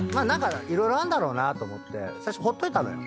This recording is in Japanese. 色々あんだろうなと思って最初ほっといたのよ。